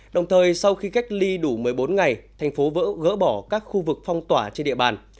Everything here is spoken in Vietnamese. đồng thời sau khi cách ly đủ một mươi bốn ngày thành phố vỡ gỡ bỏ các khu vực phong tỏa trên địa bàn